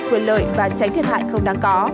quyền lợi và tránh thiệt hại không đáng có